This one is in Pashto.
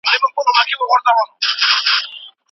کنټرول نشتوالی تشدد زياتوي.